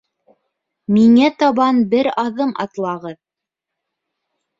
Миңә табан бер аҙым атлағыҙ!